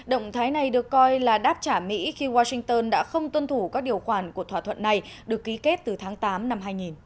động thái này được coi là đáp trả mỹ khi washington đã không tuân thủ các điều khoản của thỏa thuận này được ký kết từ tháng tám năm hai nghìn